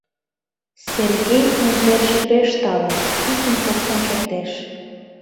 Сергей «Интерже» пеш тале, писын коштын кертеш.